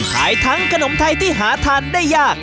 ขายทั้งขนมไทยที่หาทานได้ยาก